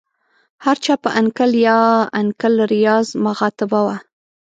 هر چا په انکل یا انکل ریاض مخاطبه وه.